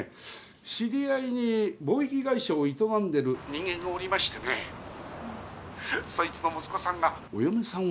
知り合いに貿易会社を営んでる人間がおりましてねそいつの息子さんがお嫁さんを探しておりましてね